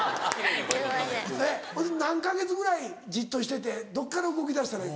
ほいで何か月ぐらいじっとしててどっから動きだしたらいい？